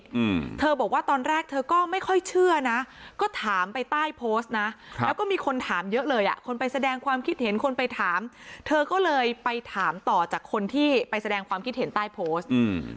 อืมเธอบอกว่าตอนแรกเธอก็ไม่ค่อยเชื่อนะก็ถามไปใต้โพสต์นะครับแล้วก็มีคนถามเยอะเลยอ่ะคนไปแสดงความคิดเห็นคนไปถามเธอก็เลยไปถามต่อจากคนที่ไปแสดงความคิดเห็นใต้โพสต์อืม